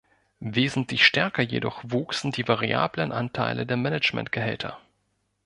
Wesentlich stärker jedoch wuchsen die variablen Anteile der Managementgehälter.